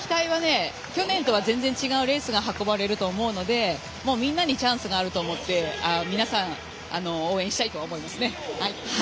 去年とは全然違うレース運びになると思うのでみんなにチャンスがあると思って皆さん応援したいと思います。